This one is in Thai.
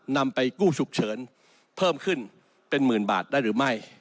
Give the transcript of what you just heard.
นำไปกู้ฉุกเฉินเพิ่มขึ้นเป็นหมื่นบาทได้หรือไม่